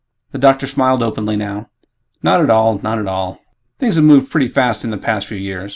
The doctor smiled openly now, "Not at all, not at all. Things have moved pretty fast in the past few years.